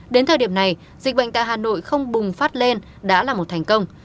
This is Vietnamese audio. đến thời điểm này dịch bệnh tại hà nội không bùng phát lên đã là một thành công